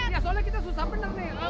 ya soalnya kita susah benar nih